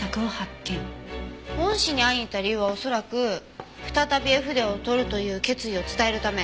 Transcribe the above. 恩師に会いに行った理由は恐らく再び絵筆を執るという決意を伝えるため。